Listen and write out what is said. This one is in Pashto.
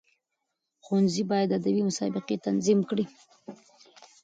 ښوونځي باید ادبي مسابقي تنظیم کړي.